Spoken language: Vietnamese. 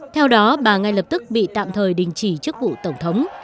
theo đó bà ngay lập tức bị tạm thời đình chỉ chức vụ tổng thống